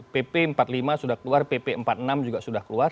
pp empat puluh lima sudah keluar pp empat puluh enam juga sudah keluar